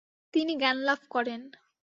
তিনি জ্ঞান লাভ করেন।